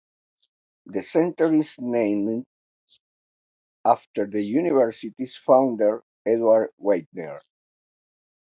The center is named after the university's founder, Edward Weidner.